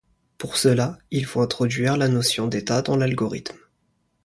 Pour cela, il faut introduire la notion d'état dans l'algorithme.